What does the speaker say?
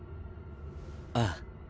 ああ。